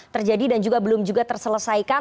terjadi dan juga belum juga terselesaikan